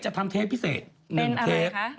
ทำเทปพิเศษ๑เทป